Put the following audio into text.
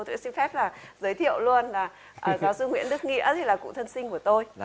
tôi xin phép là giới thiệu luôn là giáo sư nguyễn đức nghĩa thì là cụ thân sinh của tôi